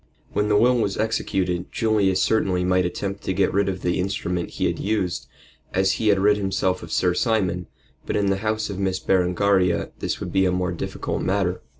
When the will was executed Julius certainly might attempt to get rid of the instrument he had used, as he had rid himself of Sir Simon, but in the house of Miss Berengaria this would be a more difficult matter.